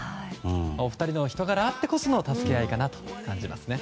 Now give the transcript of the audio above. お二人の人柄あってこその助け合いかなと感じますね。